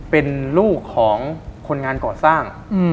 เป็นลูกของคนงานก่อสร้าง